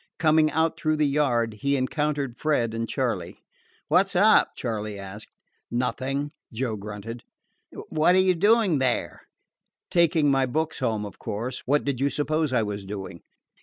Coming out through the yard, he encountered Fred and Charley. "What 's up?" Charley asked. "Nothing," Joe grunted. "What are you doing there?" "Taking my books home, of course. What did you suppose I was doing?"